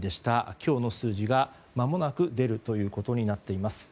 今日の数字がまもなく出ることになっています。